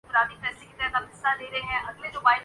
digital ادائیگی م